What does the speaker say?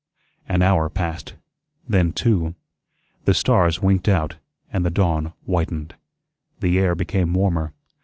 An hour passed. Then two. The stars winked out, and the dawn whitened. The air became warmer.